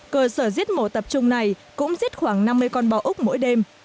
cơ sở giết mổ tập trung này cũng giết khoảng năm mươi con bò úc mỗi đêm